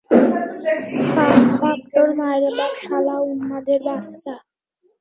ফাক, ফাক তোর মাইরে বাপ, শালা উম্মাদের বাচ্চা!